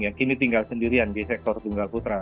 yang kini tinggal sendirian di sektor tunggal putra